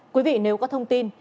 quý vị nếu có thông tin